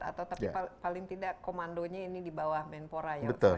atau paling tidak komandonya ini di bawah ben porayau sebagai ketua